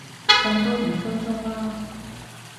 瞓多五分鐘啦